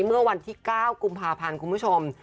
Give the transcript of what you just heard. เมื่อวันที่๙กพคุณผู้ชม